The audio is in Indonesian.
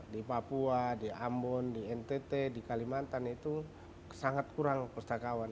di papua di ambon di ntt di kalimantan itu sangat kurang pustakawan